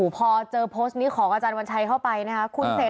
พอเจอโพสต์นี้ของอาจารย์วันชัยเข้าไปนะคะ